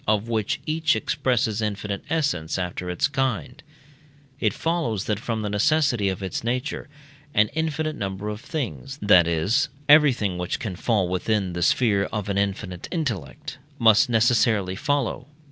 of which each expresses infinite essence after its kind, it follows that from the necessity of its nature an infinite number of things (that is, everything which can fall within the sphere of an infinite intellect) must necessarily follow.